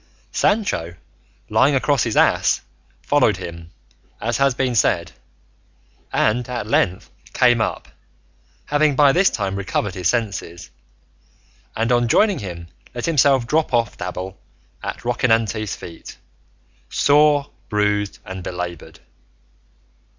Sancho, lying across his ass, followed him, as has been said, and at length came up, having by this time recovered his senses, and on joining him let himself drop off Dapple at Rocinante's feet, sore, bruised, and belaboured.